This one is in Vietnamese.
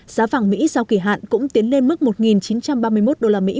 giá vàng mỹ sau kỷ hạn cũng tiến lên mức một chín trăm ba mươi một đô la mỹ